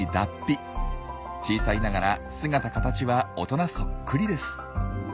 小さいながら姿かたちは大人そっくりです。